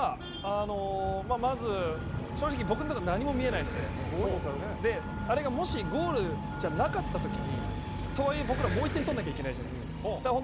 僕は、まず正直僕のときは何も見えないのであれが、もしゴールじゃなかったときにとはいえ、僕らもう１点取らなきゃいけないじゃないですか。